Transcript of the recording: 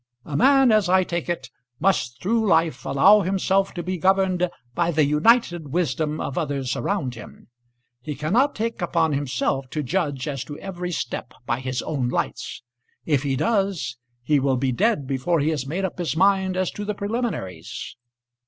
A man, as I take it, must through life allow himself to be governed by the united wisdom of others around him. He cannot take upon himself to judge as to every step by his own lights. If he does, he will be dead before he has made up his mind as to the preliminaries."